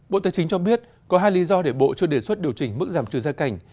bộ tài chính cho biết có hai lý do để bộ chưa đề xuất điều chỉnh mức giảm trừ gia cảnh